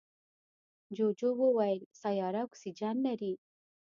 جوجو وویل سیاره اکسیجن لري.